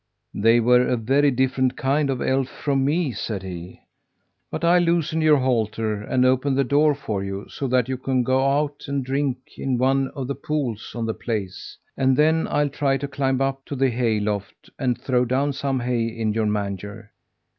"They were a very different kind of elf from me," said he. "But I'll loosen your halter and open the door for you, so that you can go out and drink in one of the pools on the place, and then I'll try to climb up to the hayloft and throw down some hay in your manger."